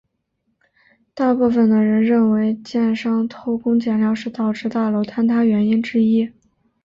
大部分的人认为建商偷工减料是导致大楼坍塌原因之一。